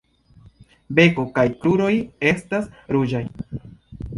Beko kaj kruroj estas ruĝaj.